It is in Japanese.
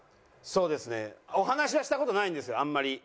そうですねお話はした事ないんですよあんまり。